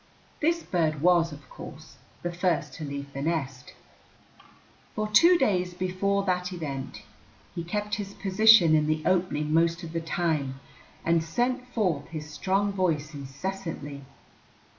This bird was, of course, the first to leave the nest. For two days before that event he kept his position in the opening most of the time and sent forth his strong voice incessantly.